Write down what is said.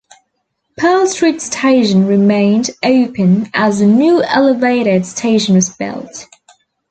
Pearl Street Station remained open as the new elevated station was built.